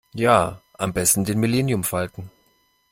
Ja, am besten den Millenniumfalken.